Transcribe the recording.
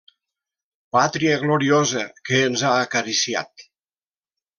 Pàtria gloriosa, que ens ha acariciat!